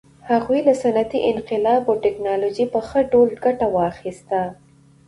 هغوی له صنعتي انقلاب او ټکنالوژۍ په ښه ډول ګټه واخیسته.